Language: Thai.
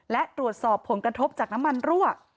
และตรวจสอบผลกระทบจากน้ำมันรั่ว